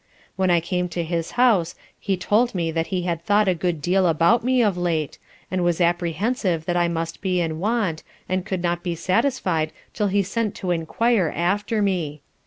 When I came to his house he told me that he had thought a good deal about me of late, and was apprehensive that I must be in want, and could not be satisfied till he sent to enquire after me.